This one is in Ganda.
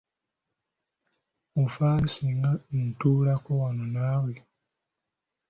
Ofaayo singa ntuulako wano naawe?